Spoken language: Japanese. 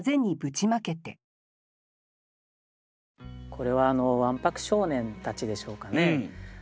これはわんぱく少年たちでしょうかね。